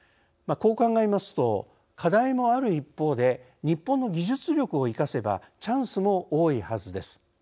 こう考えますと課題もある一方で日本の技術力を生かせばチャンスも多いはずです。